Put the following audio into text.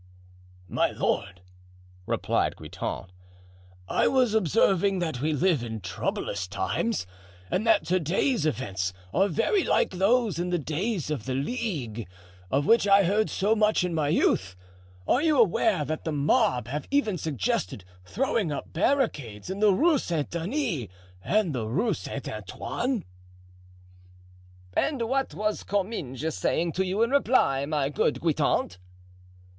"My lord," replied Guitant, "I was observing that we live in troublous times and that to day's events are very like those in the days of the Ligue, of which I heard so much in my youth. Are you aware that the mob have even suggested throwing up barricades in the Rue Saint Denis and the Rue Saint Antoine?" "And what was Comminges saying to you in reply, my good Guitant?"